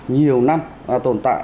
nhiều năm tồn tại